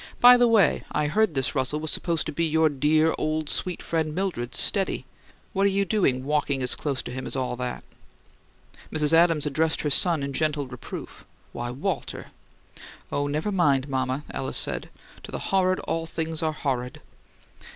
By the way, I heard this Russell was supposed to be your dear, old, sweet friend Mildred's steady. What you doin' walkin' as close to him as all that?" Mrs. Adams addressed her son in gentle reproof, "Why Walter!" "Oh, never mind, mama," Alice said. "To the horrid all things are horrid."